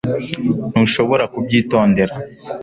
Ntushobora kubyitondera